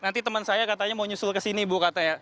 nanti teman saya katanya mau nyusul kesini ibu katanya